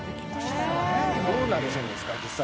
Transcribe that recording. どうなるんですか？